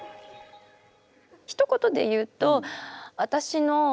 ひと言で言うと私のほう。